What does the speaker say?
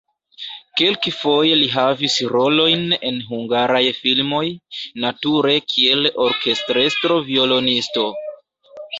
Kelkfoje li havis rolojn en hungaraj filmoj, nature kiel orkestrestro-violonisto.